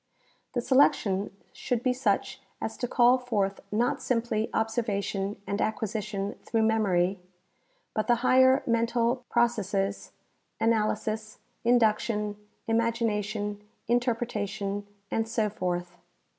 The selection should be such as to call forth not simply ob servation a nd acquisition through memory, but the higher mental processes, analysis, induction, imagination, interpreta tion, and so forth.